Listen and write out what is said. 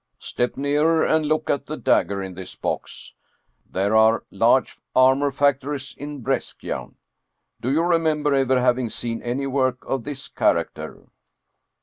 " Step nearer and look at the dagger in this box. There are large armor factories in Brescia. Do you remember ever having seen any work of this character?"